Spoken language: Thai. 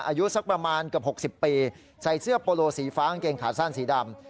อายุสักประมาณเกือบ๖๐ปีใส่เสื้อโปโลสีฟ้ากางเกงขาสั้นสีดำ